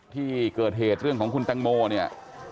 ที่เกิดเหตุเรื่องของคุณแตงโมเนี่ย